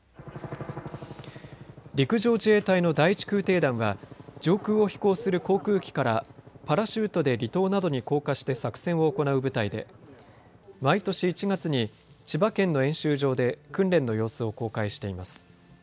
陸上自衛隊の第１空挺団は上空を飛行する航空機からパラシュートで離島などに降下して作戦を行う部隊で毎年１月に千葉県の演習場で訓練の様子を公開しています。